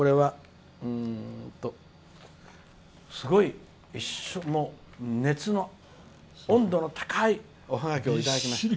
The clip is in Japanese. これは、すごい熱の温度の高いおハガキをいただきました。